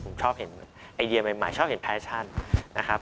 ผมชอบเห็นไอเดียใหม่ชอบเห็นแฟชั่นนะครับ